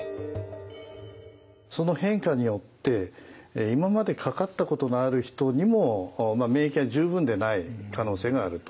その変化によって今までかかったことのある人にも免疫が十分でない可能性があるということ。